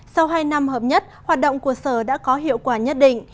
sau hai năm hợp nhất hoạt động của sở đã có hiệu quả nhất định